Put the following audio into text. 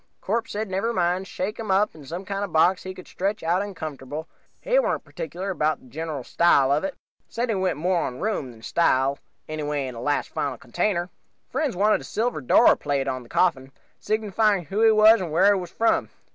"Corpse said never mind, shake him up some kind of a box he could stretch out in comfortable, he warn't particular 'bout the general style of it. Said he went more on room than style, anyway in a last final container. "Friends wanted a silver door plate on the coffin, signifying who he was and wher' he was from.